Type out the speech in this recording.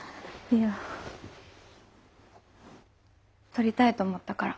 撮りたいと思ったから。